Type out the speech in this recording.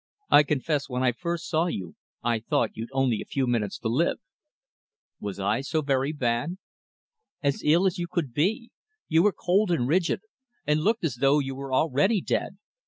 I confess when I first saw you, I thought you'd only a few minutes to live." "Was I so very bad?" "As ill as you could be. You were cold and rigid, and looked as though you were already dead.